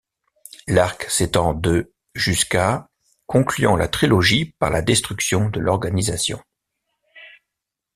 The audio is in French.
L'arc s'étend de ' jusqu'à ', concluant la trilogie par la destruction de l'organisation.